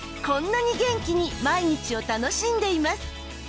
こんなに元気に毎日を楽しんでいます。